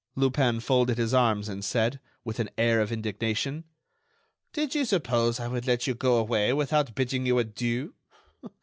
Lupin folded his arms and said, with an air of indignation: "Did you suppose I would let you go away without bidding you adieu?